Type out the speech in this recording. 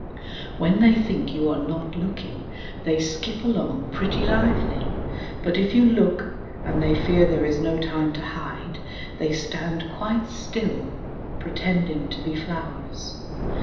When they think you are not looking they skip along pretty lively, but if you look and they fear there is no time to hide, they stand quite still, pretending to be flowers.